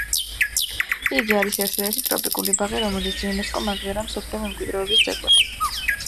იგი არის ერთადერთი ტროპიკული ბაღი, რომელიც იუნესკომ აღიარა მსოფლიო მემკვიდრეობის ძეგლად.